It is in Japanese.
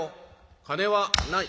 「金はない」。